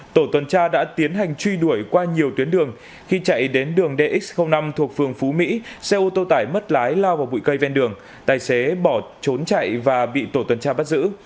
tổ tuần tra đã tiến hành truy đuổi qua nhiều tuyến đường khi chạy đến đường dx năm thuộc phường phú mỹ xe ô tô tải mất lái lao vào bụi cây ven đường tài xế bỏ trốn chạy và bị tổ tuần tra bắt giữ